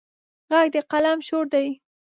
غږ د قلم شور دی